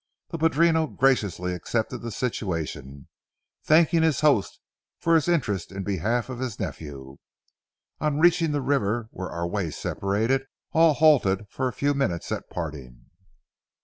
The padrino graciously accepted the situation, thanking his host for his interest in behalf of his nephew. On reaching the river, where our ways separated, all halted for a few minutes at parting.